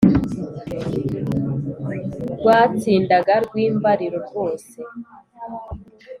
rwatsindaga rwimbariro, rwose